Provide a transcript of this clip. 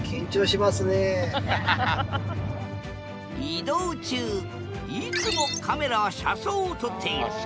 移動中いつもカメラは車窓を撮っているあっ